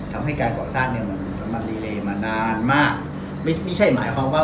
ทำให้การก่อสร้างเนี้ยมันมันเลมานานมากไม่ใช่หมายความว่า